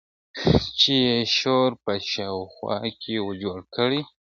چي یې شور په شاوخوا کي وو جوړ کړی ,